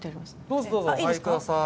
どうぞどうぞお入り下さい。